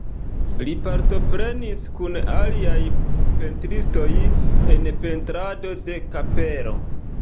Li partoprenis kun aliaj pentristoj en pentrado de kapelo.